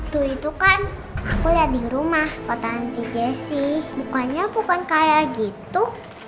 waktu itu kan aku lihat di rumah kota anti jessi bukannya bukan kayak gitu